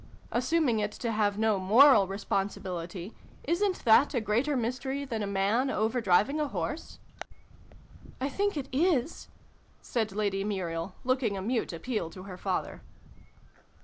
Assuming it to have no moral responsibility, isn't that a greater mystery than a man over driving a horse ?"" I think it is" said Lady Muriel, looking a mute appeal to her father.